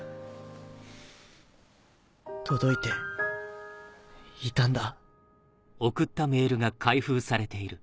届いていたんだ。